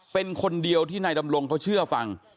เป็นคนเดียวที่นายดำรงเขาเชื่อฟัง